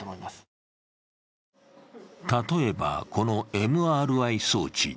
例えば、このＭＲＩ装置。